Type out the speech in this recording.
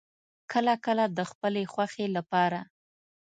کله کله د خپلې خوښې لپاره